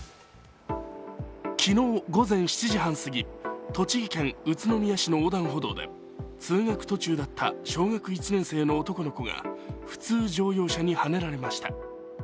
昨日午前７時半すぎ、栃木県宇都宮市内の横断歩道で通学途中だった小学１年生の男の子が普通乗用車にはねられました。